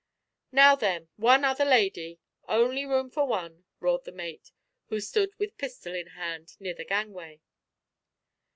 "Now, then, one other lady. Only room for one," roared the mate, who stood with pistol in hand near the gangway.